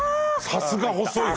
さすが細いね。